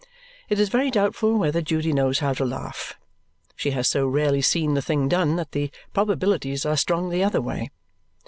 It is very doubtful whether Judy knows how to laugh. She has so rarely seen the thing done that the probabilities are strong the other way.